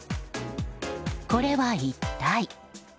これは一体？